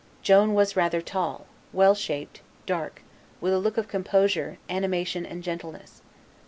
Joan was rather tall, well shaped, dark, with a look of composure, animation, and gentleness.